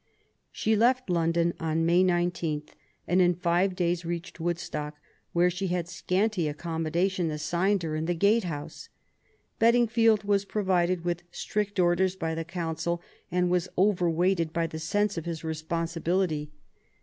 She left London on May 19, and in five days reached Woodstock, where she had scanty accommodation assigned her in the gatehouse. Bedingfield was provided with strict orders by the Council and was over weighted by the sense of his responsibility.